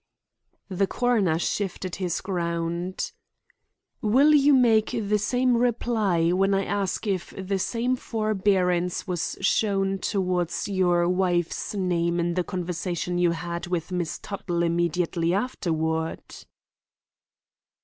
The coroner shifted his ground. "Will you make the same reply when I ask if the like forbearance was shown toward your wife's name in the conversation you had with Miss Tuttle immediately afterward?"